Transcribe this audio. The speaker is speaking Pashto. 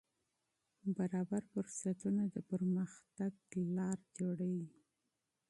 برابر فرصتونه د پرمختګ زمینه جوړوي.